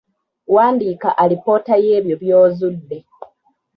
Wandiika alipoota y’ebyo by’ozudde